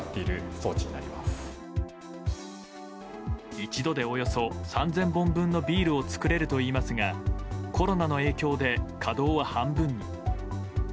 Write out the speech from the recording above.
一度でおよそ３０００本のビールを作れるといますがコロナの影響で稼働を半分に。